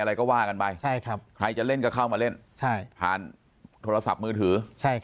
อะไรก็ว่ากันไปใช่ครับใครจะเล่นก็เข้ามาเล่นใช่ผ่านโทรศัพท์มือถือ